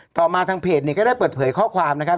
ต่อมาทางเพจเนี่ยก็ได้เปิดเผยข้อความนะครับ